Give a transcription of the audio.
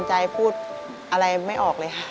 ใจพูดอะไรไม่ออกเลยค่ะ